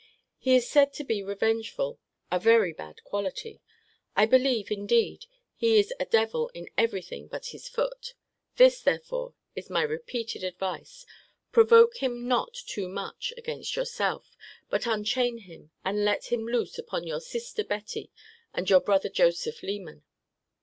He is said to be revengeful: a very bad quality! I believe, indeed, he is a devil in every thing but his foot this, therefore, is my repeated advice provoke him not too much against yourself: but unchain him, and let him loose upon your sister' Betty, and your brother's Joseph Leman.